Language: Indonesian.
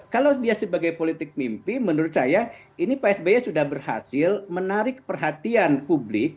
kalau dia sebagai politik mimpi menurut saya ini pak sby sudah berhasil menarik perhatian publik